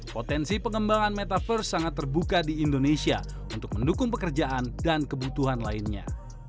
potensi pengembangan metaverse sangat terbuka di indonesia untuk mendukung pekerjaan dan kebutuhan lainnya